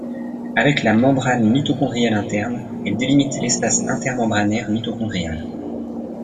Avec la membrane mitochondriale interne, elle délimite l'espace intermembranaire mitochondrial.